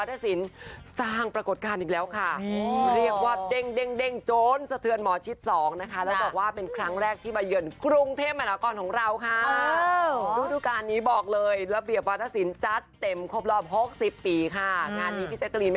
ดีมากนะคะถ้ายอยเอาข้าวของให้ที่เห็นนี่คือปลาสม